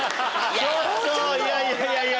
いやいや。